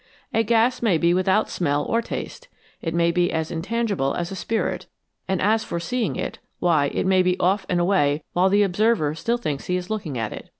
A gas may be without smell or taste, it may be as intangible as a spirit, and as for seeing it, why, it may be off and away while the observer still thinks he is looking at it.